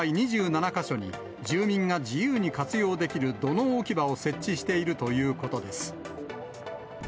大田区では、区内２７か所に住民が自由に活用できる土のう置き場を設置しているということです。